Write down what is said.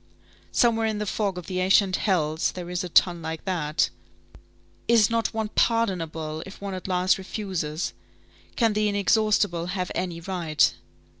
Somewhere in the fog of the ancient hells, there is a tun like that. Is not one pardonable, if one at last refuses! Can the inexhaustible have any right?